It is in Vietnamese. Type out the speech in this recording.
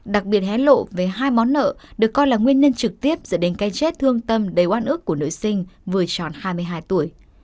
đặc biệt hén lộ về hai món nợ được coi là nguyên nhân trực tiếp dẫn đến cái chết thương tâm đầy oan ức của nữ sinh vừa tròn hai mươi hai tuổi